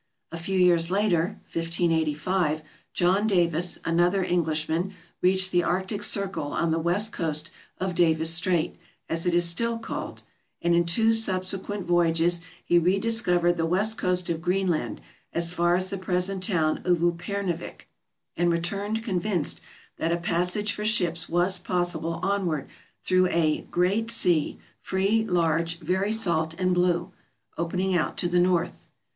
A few years later (1585) John Davis, another Englishman, reached the arctic circle on the west coast of Davis Strait, as it is still called; and in two subsequent voyages he rediscovered the west coast of Greenland as far as the present town of Upernivik, and returned convinced that a passage for ships was possible onward through a "great sea, free, large, very salt and blue," opening out to the north.